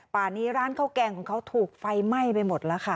ป่านี้ร้านข้าวแกงของเขาถูกไฟไหม้ไปหมดแล้วค่ะ